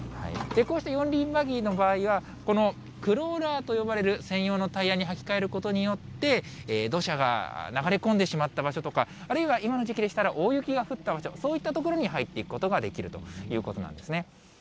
こうした四輪バギーの場合は、このクローラーと呼ばれる専用のタイヤに履き替えることによって、土砂が流れ込んでしまった場所とか、あるいは今の時期でしたら大雪が降った場所、そういった所に入っていくことができるということなんですね。